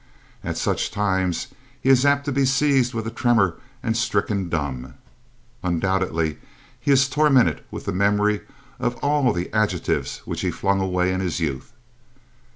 At such times he is apt to be seized with a tremor and stricken dumb. Undoubtedly he is tormented with the memory of all the adjectives which he flung away in his youth.